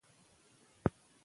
بیا میلمه راوبلئ.